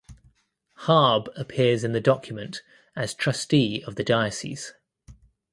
Haab appears in the document as trustee of the diocese.